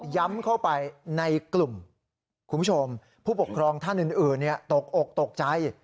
เข้าไปในกลุ่มคุณผู้ชมผู้ปกครองท่านอื่นตกอกตกใจ